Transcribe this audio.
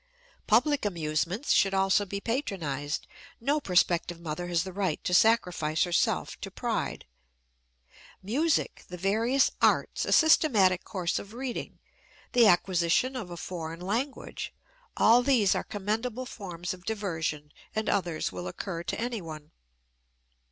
Public amusements should also be patronized; no prospective mother has the right to sacrifice herself to pride. Music, the various arts, a systematic course of reading, the acquisition of a foreign language all these are commendable forms of diversion, and others will occur to anyone.